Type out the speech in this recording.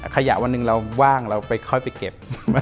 วันหนึ่งเราว่างเราไปค่อยไปเก็บ